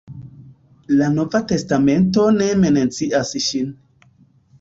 La nova testamento ne mencias ŝin.